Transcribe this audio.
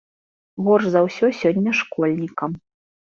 Горш за ўсё сёння школьнікам.